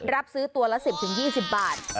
รับซื้อตัวละ๑๐๒๐บาท